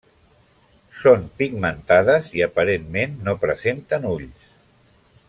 Són pigmentades i aparentment no presenten ulls.